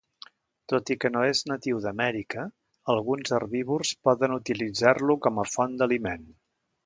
Tot i que no és natiu d'Amèrica, alguns herbívors poden utilitzar-lo com a font d'aliment.